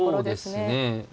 そうですね。